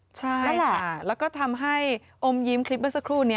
ใช่ค่ะแล้วก็ทำให้อมยิ้มคลิปเมื่อสักครู่นี้